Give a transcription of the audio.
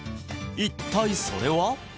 一体それは？